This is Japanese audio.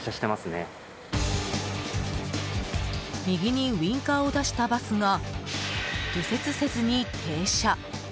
右にウインカーを出したバスが右折せずに停車。